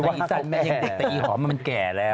เข้าใจไหมแต่อี๋หอมมันแก่แล้ว